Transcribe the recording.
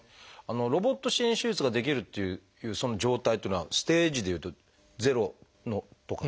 ロボット支援手術ができるっていうその状態っていうのはステージでいうと０のとか？